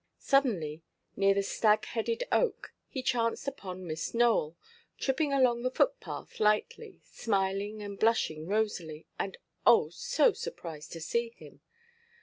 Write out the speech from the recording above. Suddenly, near the stag–headed oak, he chanced upon Miss Nowell, tripping along the footpath lightly, smiling and blushing rosily, and oh! so surprised to see him!